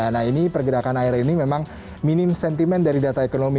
nah ini pergerakan air ini memang minim sentimen dari data ekonomi